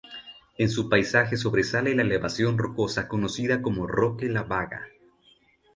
En su paisaje sobresale la elevación rocosa conocida como Roque la Baga.